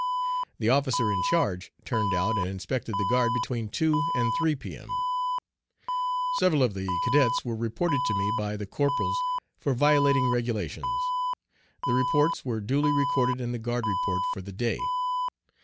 The officer in charge turned out and inspected the guard between 2 and 3 p.m. Several of the cadets were reported to me by the corporals for violating regulations. The reports were duly recorded in the guard report for the day.